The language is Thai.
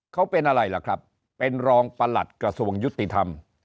เขาเป็นอะไรล่ะครับเป็นรองประหลัดกระทรวงยุติธรรม